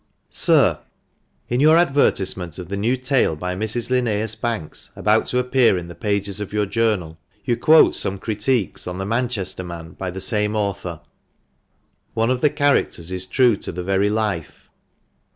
"Sir,— In your advertisement of the new tale by Mrs. Linnseus Banks, about to appear in the pages of your journal, you quote some critiques on ' The Manchester Man,' by the same author. One of the characters is true to the very life.